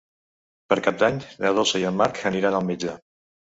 Per Cap d'Any na Dolça i en Marc aniran al metge.